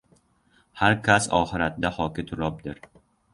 Har kas oxiratda hoki turobdir